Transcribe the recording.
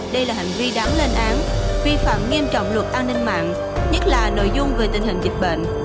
đây là hành vi đáng lên án vi phạm nghiêm trọng luật an ninh mạng nhất là nội dung về tình hình dịch bệnh